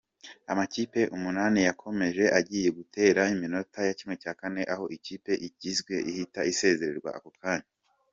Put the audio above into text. Amakipe umunani yakomeje agiye gutegura imikino ya ¼ aho ikipe itsinzwe ihita isezererwa ako kanya.